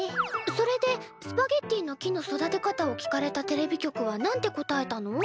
それでスパゲッティの木の育て方を聞かれたテレビ局は何て答えたの？